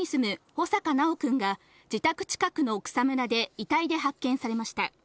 穂坂修くんが、自宅近くの草むらで遺体で発見されました。